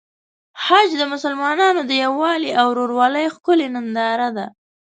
حج د مسلمانانو د یووالي او ورورولۍ ښکلی ننداره ده.